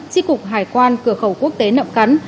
tri cục hải quan cửa khẩu quốc tế nậm cắn